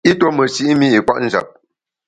I tuo meshi’ mi i kwet njap.